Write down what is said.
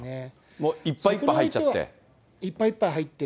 もういっぱいいっぱい入っちゃって。